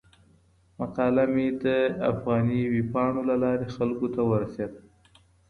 مقاله مې د افغاني ویبپاڼو له لارې خلکو ته ورسیده.